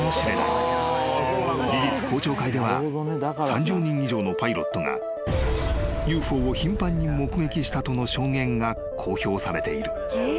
［事実公聴会では３０人以上のパイロットがＵＦＯを頻繁に目撃したとの証言が公表されている］